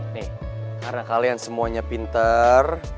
nih karena kalian semuanya pinter